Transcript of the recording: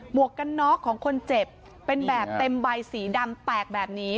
วกกันน็อกของคนเจ็บเป็นแบบเต็มใบสีดำแตกแบบนี้